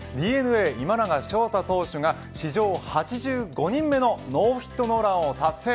ＤｅＮＡ今永昇太投手が史上８５人目のノーヒットノーランを達成。